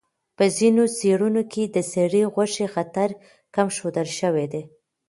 په ځینو څېړنو کې د سرې غوښې خطر کم ښودل شوی دی.